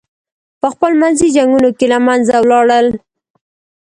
پخپل منځي جنګونو کې له منځه ولاړل.